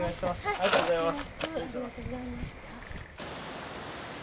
ありがとうございます。